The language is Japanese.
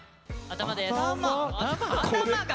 頭です。